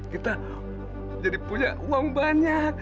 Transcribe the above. kita jadi punya uang banyak